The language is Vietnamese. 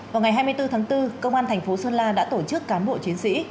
vào ngày hai mươi bốn tháng bốn công an thành phố sơn la đã tổ chức cán bộ chiến sĩ